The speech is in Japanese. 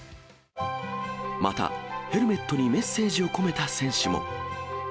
また、ヘルメットにメッセージを込めた選手も。